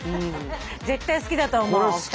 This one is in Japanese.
絶対好きだと思うお二人。